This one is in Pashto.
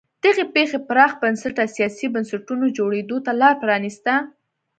دغې پېښې پراخ بنسټه سیاسي بنسټونو جوړېدو ته لار پرانیسته.